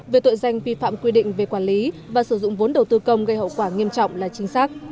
về tội danh vi phạm quy định về quản lý và sử dụng vốn đầu tư công gây hậu quả nghiêm trọng là chính xác